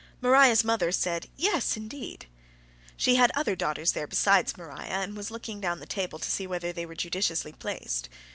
Maria's mother said, "Yes, indeed." She had other daughters there besides Maria, and was looking down the table to see whether they were judiciously placed.